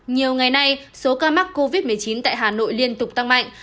nhiều ngày nay số ca mắc covid một mươi chín tại hà nội liên tục tăng mạnh